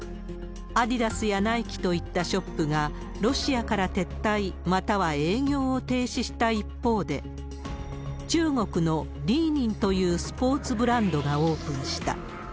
アディダスやナイキといったショップが、ロシアから撤退、または営業を停止した一方で、中国のリーニンというスポーツブランドがオープンした。